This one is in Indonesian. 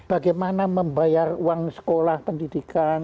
bagaimana membayar uang sekolah pendidikan